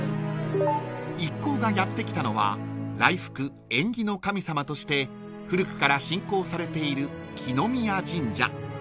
［一行がやって来たのは来福縁起の神様として古くから信仰されている］